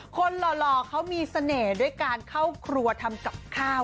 หล่อเขามีเสน่ห์ด้วยการเข้าครัวทำกับข้าว